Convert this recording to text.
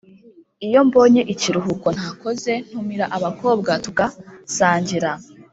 Iyo mbonye ikiruhuko ntakoze ntumira abakobwa tugasangira